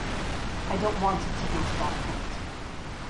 I don’t want it to go to that point.